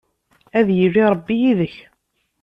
Ad yili Ṛebbi yid-k.